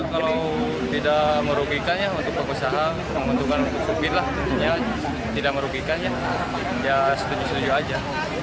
kalau tidak merugikannya untuk perusahaan untuk supir lah tidak merugikannya ya setuju setuju aja